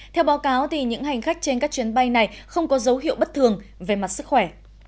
theo báo cáo những hành khách trên các chuyến bay này không có dấu hiệu bất thường về mặt sức khỏe